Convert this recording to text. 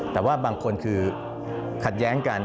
แต่ว่าบางคนคือขัดแย้งกัน